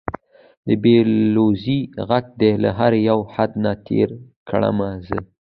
د بې لوظۍ غږ دې له هر یو حد نه تېر کړمه زه